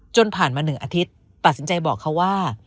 จนผ่านมา๑อาทิตย์ตัดสินใจบอกเขาว่า